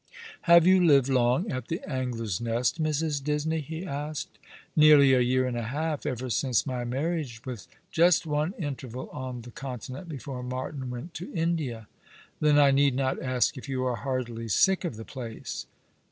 " Have you lived long at the Angler's Nest, Mrs. Disney ?" he asked. "Nearly a year and a half; ever since my marriage, with just one interval on the Continent before Martin went to India." "Then I need not ask if you are heartily sick of the place